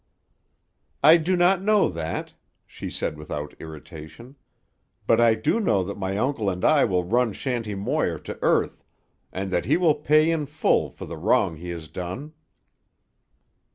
"I do not know that," she said without irritation. "But I do know that my uncle and I will run Shanty Moir to earth, and that he will pay in full for the wrong he has done."